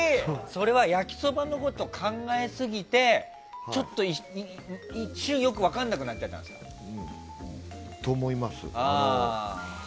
それは焼きそばのことを考えすぎてちょっと一瞬、よく分かんなくなっちゃったんですか。と思います。